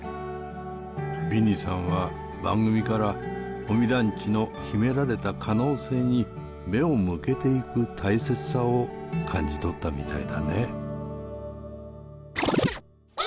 ビニさんは番組から保見団地の秘められた可能性に目を向けていく大切さを感じ取ったみたいだね。